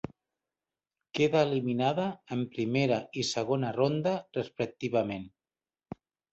Quedà eliminada en primera i segona ronda respectivament.